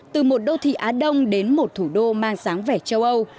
từ một đô thị á đông đến một thủ đô mang dáng vẻ châu âu